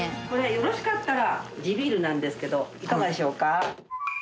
これよろしかったら地ビールなんですけどいかがでしょうか？